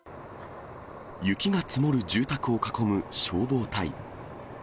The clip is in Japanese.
雪が積もる住宅を囲む消防隊。